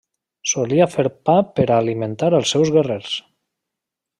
Solia fer pa per a alimentar els seus guerrers.